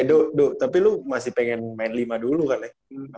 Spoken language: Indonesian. eh do do tapi lu masih pengen main lima dulu kali ya